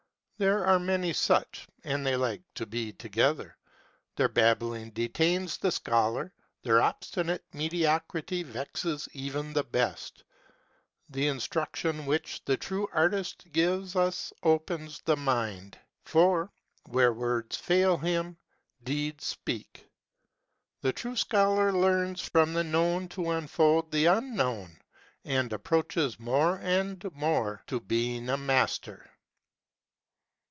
There are many such, and they like to be together. Their babbling detains the scholar : their obstinate mediocrity vexes even the best. The instruction which the true artist gives us opens the mind ; for, where words fail him, deeds speak. The true scholar learns from the known to unfold the un known, and approaches more and more to being a master.